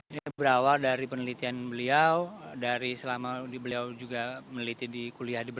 ini berawal dari penelitian beliau dari selama beliau juga meneliti di kuliah